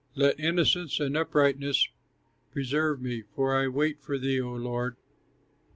Let innocence and uprightness preserve me, For I wait for thee, O Lord.